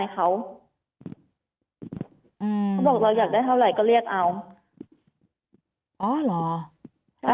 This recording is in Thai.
เขาบอกเราอยากได้เท่าไรก็เรียกเอา